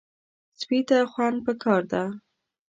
سپي ته خونه پکار ده.